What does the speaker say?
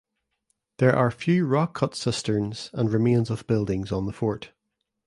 There are few rock cut cisterns and remains of buildings on the fort.